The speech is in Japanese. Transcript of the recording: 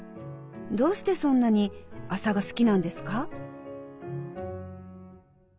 どうしてそんなに麻が好きなんですか？